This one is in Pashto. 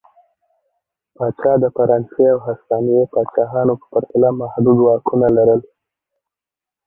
پاچا د فرانسې او هسپانیې پاچاهانو په پرتله محدود واکونه لرل.